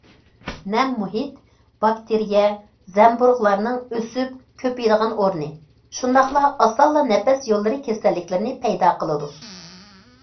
نەم مۇھىت باكتېرىيە، زەمبۇرۇغلارنىڭ ئۆسۈپ، كۆپىيىدىغان ئورنى، شۇنداقلا ئاسانلا نەپەس يوللىرى كېسەللىكلىرىنى پەيدا قىلىدۇ.